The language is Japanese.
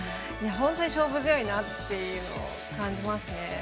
本当に勝負強いなっていうのを感じますね。